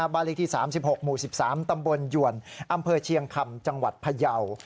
บ้านเลขที่๓๖หมู่๑๓ตำบลหยวนอำเภอเชียงคำจังหวัดพยาว